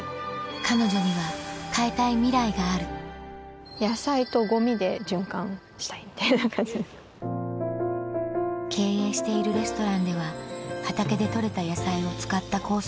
彼女には変えたいミライがある経営しているレストランでは畑で採れた野菜を使ったコース